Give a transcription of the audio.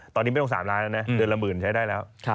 ตอนนี้ไม่ต้อง๓ล้านแล้วนะเดือนละหมื่นใช้ได้แล้ว